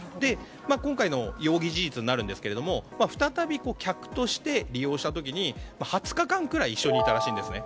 今回の容疑事実になるんですが再び客として利用した時に２０日間くらい一緒にいたらしいんですね。